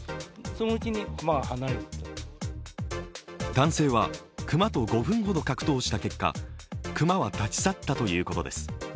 男性と熊と５分ほど格闘した結果熊は立ち去ったということです。